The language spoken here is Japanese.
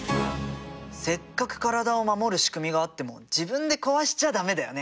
せっかく体を守る仕組みがあっても自分で壊しちゃ駄目だよね。